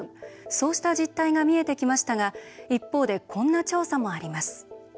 そうした実態が見えてきましたが一方でこんな調査もあります。